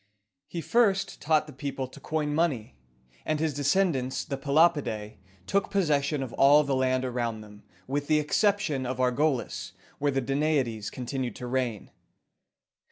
He first taught the people to coin money; and his descendants, the Pe lop´i dæ, took possession of all the land around them, with the exception of Argolis, where the Da na´i des continued to reign.